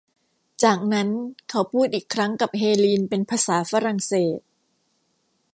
จากนั้นเขาพูดอีกครั้งกับเฮลีนเป็นภาษาฝรั่งเศส